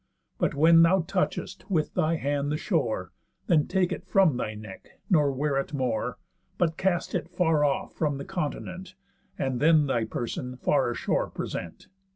But when thou touchest with thy hand the shore, Then take it from thy neck, nor wear it more, But cast it far off from the continent, And then thy person far ashore present.